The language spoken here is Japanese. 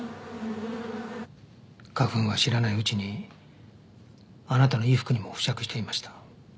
花粉は知らないうちにあなたの衣服にも付着していました。